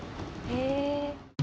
へえ。